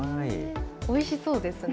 おいしそうですね。